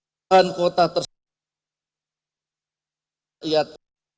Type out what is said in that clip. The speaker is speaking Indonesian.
dan kota tersebut